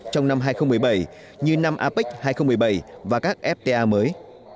trong năm hai nghìn một mươi bảy như năm apec hai nghìn một mươi bảy và các fta mới